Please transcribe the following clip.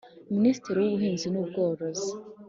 Minisitiri w ubuhinzi n ubworozi